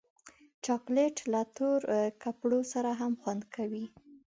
چاکلېټ له تور کپړو سره هم خوند کوي.